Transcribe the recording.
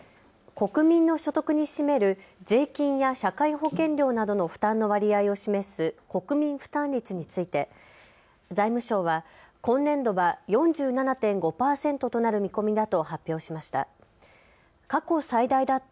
国民の所得に占める税金や社会保険料などの負担の割合を示す国民負担率について財務省は今年度は４７．５％となる見込みだと発表しました。